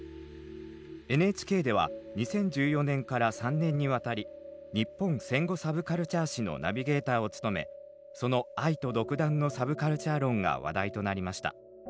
ＮＨＫでは２０１４年から３年にわたり「ニッポン戦後サブカルチャー史」のナビゲーターを務めその愛と独断のサブカルチャー論が話題となりました。